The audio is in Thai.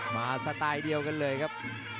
สไตล์เดียวกันเลยครับ